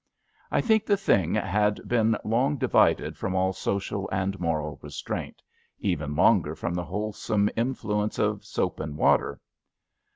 I think the Thing had been long divided from all social and moral restraint — even longer from the wholesome influence of soap and water.